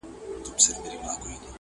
o زړه پر زړه دئ٫